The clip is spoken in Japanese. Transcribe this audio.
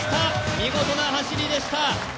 見事な走りでした。